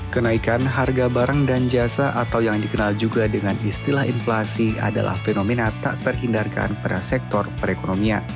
kenaikan harga barang dan jasa atau yang dikenal juga dengan istilah inflasi adalah fenomena tak terhindarkan pada sektor perekonomian